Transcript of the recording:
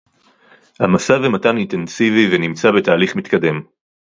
המשא-ומתן אינטנסיבי ונמצא בתהליך מתקדם